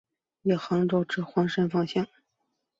以杭州至黄山方向。